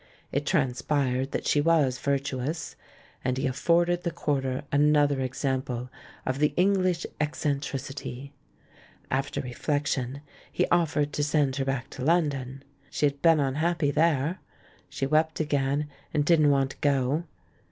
It transpired that she was virtuous ; and he afforded the quarter another example of "the English ec centricity." After reflection, he offered to send her back to London. She had been unhappy there — she wept again, and didn't want to go.